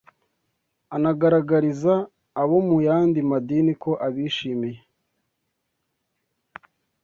anagaragariza abo mu yandi madini ko abishimiye,